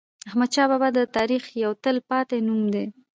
احمدشاه بابا د تاریخ یو تل پاتی نوم دی.